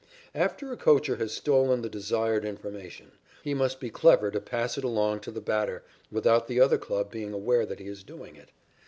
After a coacher has stolen the desired information, he must be clever to pass it along to the batter without the other club being aware that he is doing it.